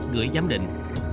gửi giám định